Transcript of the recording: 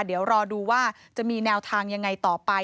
เดี๋ยวรอดูว่าจะมีแนวทางยังไงต่อไป